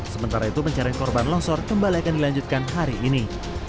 sementara itu pencarian korban longsor kembali akan dilanjutkan hari ini